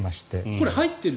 これ、入ってる？